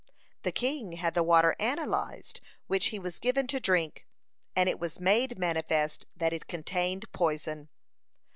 (88) The king had the water analyzed which he was given to drink, and it was made manifest that it contained poison.